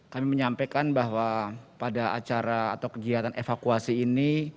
kami menyampaikan bahwa pada acara atau kegiatan evakuasi ini